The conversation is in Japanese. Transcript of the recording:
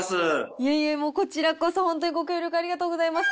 いえいえ、こちらこそ、本当にご協力ありがとうございます。